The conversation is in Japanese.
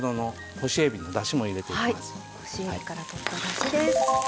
干しえびからとっただしです。